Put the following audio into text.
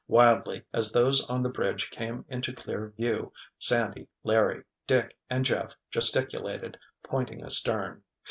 Wildly, as those on the bridge came into clear view, Sandy, Larry, Dick and Jeff gesticulated, pointing astern.